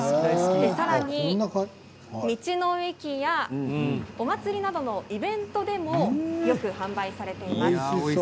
さらに道の駅やお祭りなどのイベントでもよく販売されています。